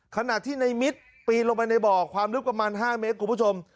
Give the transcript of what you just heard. ขณะที่ในมิตรปีนลงไปในบ่อความลึกประมาณ๕เมตรคุณผู้ชม